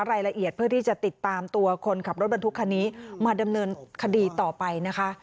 รายละเอียดเพื่อที่จะติดตามตัวคนขับรถบรรทุกคันนี้มาดำเนินคดีต่อไปนะคะ